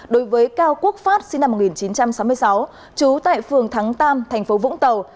đối với cao quốc phát sinh năm một nghìn chín trăm sáu mươi sáu trú tại phường thắng tam thành phố vũng tàu